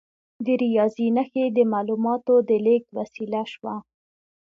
د ریاضي نښې د معلوماتو د لیږد وسیله شوه.